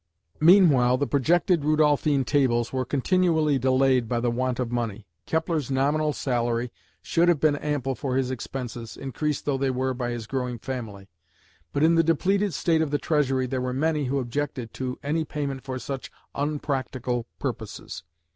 Meanwhile the projected Rudolphine Tables were continually delayed by the want of money. Kepler's nominal salary should have been ample for his expenses, increased though they were by his growing family, but in the depleted state of the treasury there were many who objected to any payment for such "unpractical" purposes.